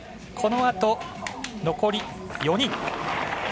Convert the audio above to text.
このあと残り４人。